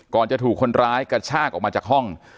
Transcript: จะถูกคนร้ายกระชากออกมาจากห้อง